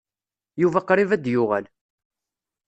Yuba qrib ad d-yuɣal.